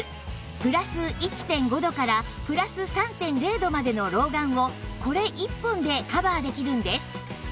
プラス １．５ 度からプラス ３．０ 度までの老眼をこれ１本でカバーできるんです